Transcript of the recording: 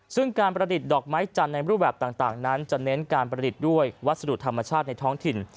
ซึ่งการประดิษฐ์ดอกไม้จันทร์ในรูปแบบต่างนั้นจะเน้นการประดิษฐ์ด้วยวัสดุธรรมชาติในท้องถิ่น